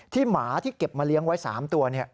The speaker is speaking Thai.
หมาที่เก็บมาเลี้ยงไว้๓ตัว